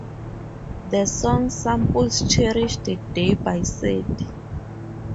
The song samples Cherish the Day by Sade.